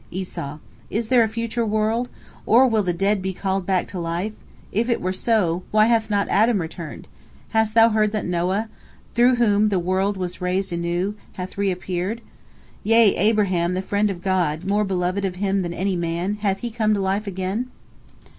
Esau: "Is there a future world? Or will the dead be called back to life? If it were so, why hath not Adam returned? Hast thou heard that Noah, through whom the world was raised anew, hath reappeared? Yea, Abraham, the friend of God, more beloved of Him than any man, hath he come to life again?"